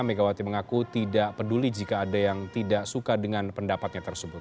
megawati mengaku tidak peduli jika ada yang tidak suka dengan pendapatnya tersebut